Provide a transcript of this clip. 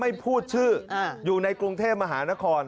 ไม่พูดชื่ออยู่ในกรุงเทพมหานคร